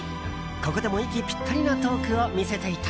ここでも息ぴったりなトークを見せていた。